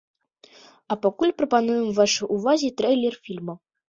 А пакуль прапануем вашай увазе трэйлер фільма.